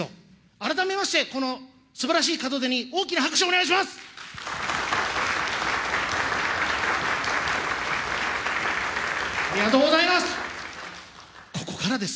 改めましてこのすばらしい門出に、大きな拍手をお願いします。